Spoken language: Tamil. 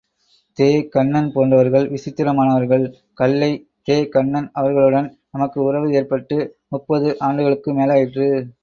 தே.கண்ணன் போன்றவர்கள் விசித்திரமானவர்கள் கல்லை, தே.கண்ணன் அவர்களுடன் நமக்கு உறவு ஏற்பட்டு முப்பது ஆண்டுகளுக்கு மேலாயிற்று!